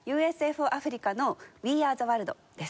フォー・アフリカの『ウィ・アー・ザ・ワールド』です。